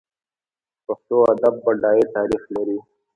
پښتو ادب بډای تاریخ لري.